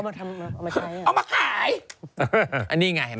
เอามาขายอันนะไง